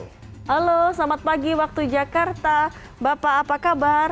halo selamat pagi waktu jakarta bapak apa kabar